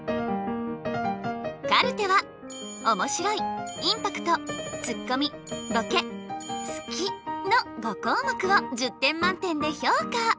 カルテは「おもしろい」「インパクト」「ツッコミ」「ボケ」「好き」の５項目を１０点満点で評価。